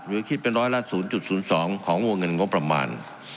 หรือคิดเป็นร้อยละ๐๐๒ของวงเงินงบประมาณ